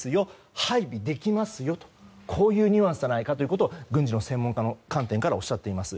配備できますよというこういうニュアンスじゃないかということを軍事専門家の立場からおっしゃっています。